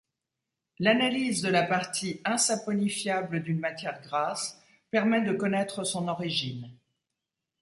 L'analyse de la partie insaponifiable d'une matière grasse permet de connaître son origine.